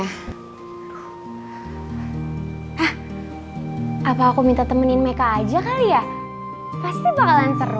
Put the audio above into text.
hah apa aku minta temenin mereka aja kali ya pasti bakalan seru